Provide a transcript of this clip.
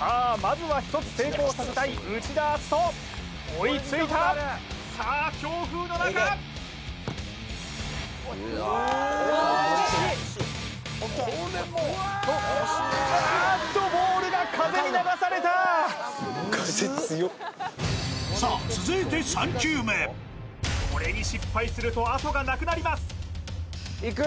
まずは１つ成功させたい内田篤人追いついたさあ強風の中あーっとボールが風に流されたさあ続いて３球目これに失敗するとあとがなくなりますいく？